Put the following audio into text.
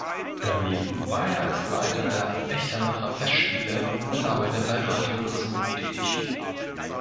Daneben war er als Leiter der Echternacher Festspiele und Mitarbeiter bei Radio Luxemburg tätig.